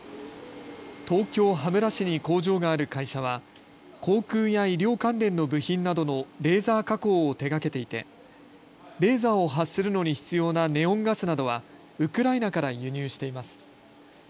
東京羽村市に工場がある会社は航空や医療関連の部品などのレーザー加工を手がけていてレーザーを発するのに必要なネオンガスなどはウクライナから輸入しています。